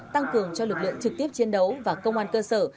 tăng cường cho lực lượng trực tiếp chiến đấu và công an cơ sở